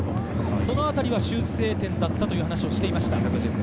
そのあたりは修正点だったと話をしていました。